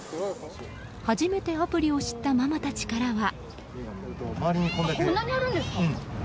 初めてアプリを知ったママたちからは。